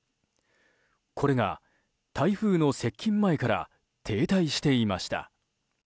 これが台風の接近前から停滞していました。